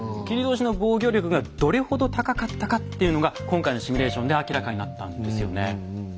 切通の防御力がどれほど高かったかっていうのが今回のシミュレーションで明らかになったんですよね。